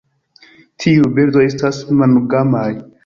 Tiuj birdoj estas monogamaj.